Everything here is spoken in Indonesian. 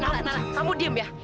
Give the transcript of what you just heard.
eh nala kamu diem ya